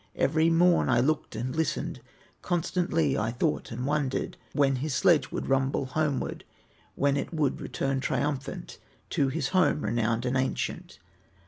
Every morn I looked and listened, Constantly I thought and wondered When his sledge would rumble homeward, When it would return triumphant To his home, renowned and ancient.